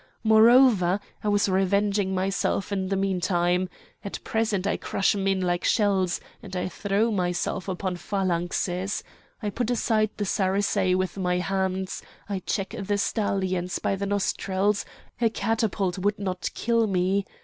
Moreover, I was revenging myself in the meantime! At present I crush men like shells, and I throw myself upon phalanxes; I put aside the sarissæ with my hands, I check the stallions by the nostrils; a catapult would not kill me!